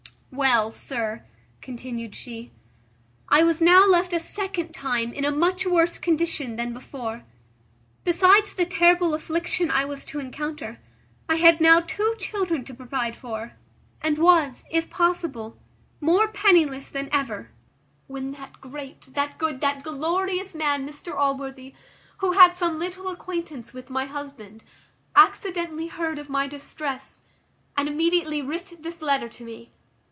"Well, sir," continued she, "I was now left a second time in a much worse condition than before; besides the terrible affliction I was to encounter, I had now two children to provide for; and was, if possible, more pennyless than ever; when that great, that good, that glorious man, Mr Allworthy, who had some little acquaintance with my husband, accidentally heard of my distress, and immediately writ this letter to me.